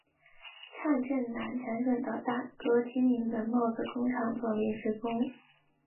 蔡振南辗转到大哥经营的帽子工厂做临时工。